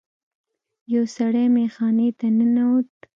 یو سړی میخانې ته ننوت.